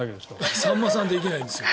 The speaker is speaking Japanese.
さんまさんはできないんですよ。